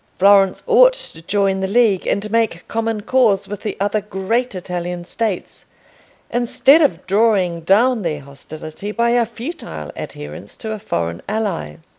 Florence ought to join the League and make common cause with the other great Italian States, instead of drawing down their hostility by a futile adherence to a foreign ally.